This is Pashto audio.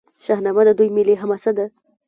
شاهنامه د دوی ملي حماسه ده.